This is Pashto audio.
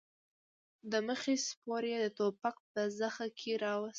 د مخې سپور يې د ټوپک په زخه کې راووست.